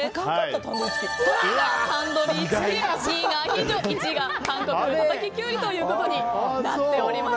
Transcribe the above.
３位がタンドリーチキン２位がアヒージョ１位が韓国風たたききゅうりとなっております。